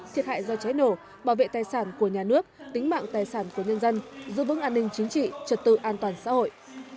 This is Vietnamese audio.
thiệt hại do cháy nổ bảo vệ tài sản của nhà nước tính mạng tài sản của nhân dân giữ vững an ninh chính trị trật tự an toàn xã hội